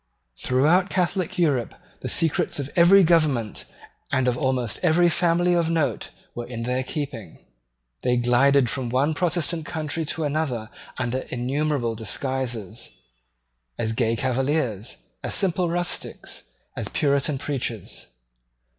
Throughout Catholic Europe the secrets of every government and of almost every family of note were in their keeping. They glided from one Protestant country to another under innumerable disguises, as gay Cavaliers, as simple rustics, as Puritan preachers.